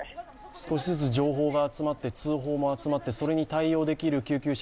少しずつ情報が集まって通報も集まってそれに対応できる救急車